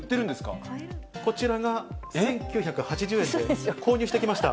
こちらが１９８０円で購入してきました。